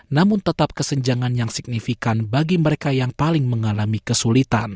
namun tetap kesenjangan yang signifikan bagi mereka yang paling mengalami kesulitan